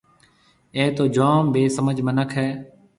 اَي تو جوم بيسمجھ مِنک هيَ۔